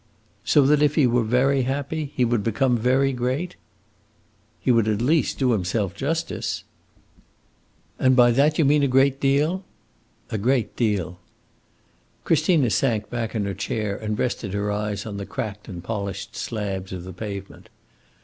"So that if he were very happy, he would become very great?" "He would at least do himself justice." "And by that you mean a great deal?" "A great deal." Christina sank back in her chair and rested her eyes on the cracked and polished slabs of the pavement.